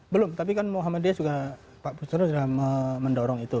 belum tapi kan muhammadiyah juga pak busro sudah mendorong itu